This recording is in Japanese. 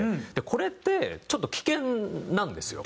これってちょっと危険なんですよ。